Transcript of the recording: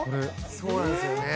そうなんですよね。